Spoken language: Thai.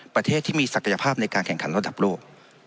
ประเทศที่มีศักยภาพในการแข่งขันระดับโลก